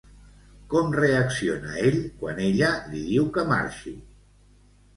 Com reacciona ell quan ella li diu que marxi?